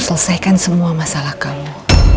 selesaikan semua masalah kamu